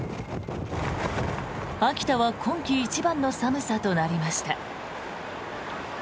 秋田は今季一番の寒さとなりました。